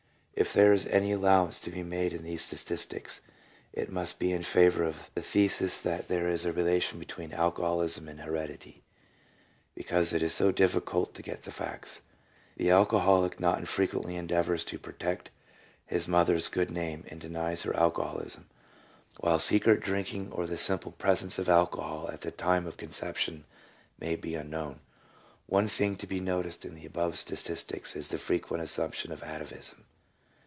If there is any allowance to be made in these statistics it must be in favour of the thesis that there is a relation between alcoholism and heredity, because it is so difficult to get the facts. The alcoholic not infrequently endeavours to protect his mother's good name and denies her alcoholism, while secret drinking or the simple presence of alcohol at the time of conception may be unknown. One thing to be noticed in the above statistics is the frequent assump tion of atavism.